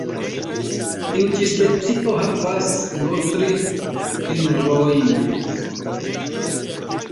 Tiu ĉi specio havas nur tri fingrojn.